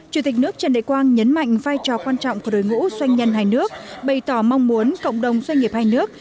chủ tịch nước trần đại quang nhấn mạnh vai trò quan trọng của đội ngũ doanh nhân hai nước bày tỏ mong muốn cộng đồng doanh nghiệp hai nước